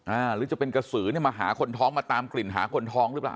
หรือจะเป็นกระสือเนี่ยมาหาคนท้องมาตามกลิ่นหาคนท้องหรือเปล่า